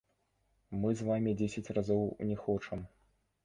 Мы з вамі дзесяць разоў не хочам!